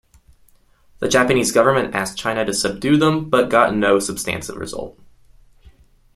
The Japanese government asked China to subdue them but got no substantive result.